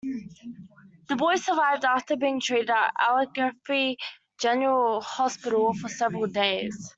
The boy survived after being treated at Allegheny General Hospital for several days.